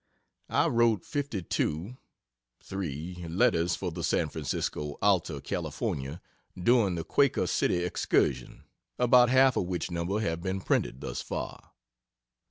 I wrote fifty two (three) letters for the San Francisco "Alta California" during the Quaker City excursion, about half of which number have been printed, thus far.